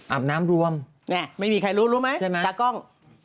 อาบน้ำรวมไม่มีใครรู้รู้ไหมตากล้อง